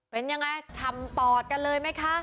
เป็นยังไงชำปอดกันเลยไหมคะ